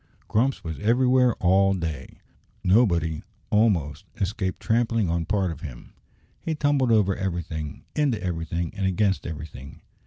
Grumps was everywhere all day. Nobody, almost, escaped trampling on part of him. He tumbled over everything, into everything, and against everything.